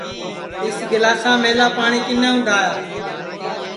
اِس گِلاساملا پاٹؔی کِنے اُندھایا